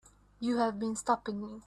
You have been stopping me.